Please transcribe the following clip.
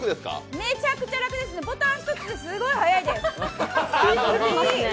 めちゃくちゃ楽ですね、ボタン１つですごく速いです。